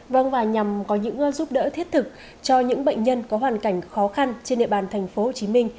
vâng và nhằm có những giúp đỡ thiết thực cho những bệnh nhân có hoàn cảnh khó khăn trên địa bàn tp hcm